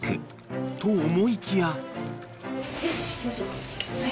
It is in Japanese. ［と思いきや］